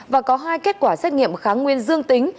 và có hai kết quả xét nghiệm kháng nguyên dương tính